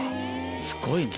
すごいね。